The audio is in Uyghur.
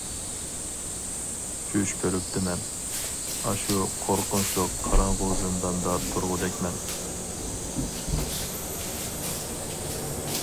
چۈش كۆرۈپتىمەن، ئاشۇ قورقۇنچلۇق قاراڭغۇ زىنداندا تۇرغۇدەكمەن.